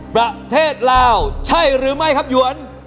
ประเทศลาวใช่หรือไม่ครับหยวน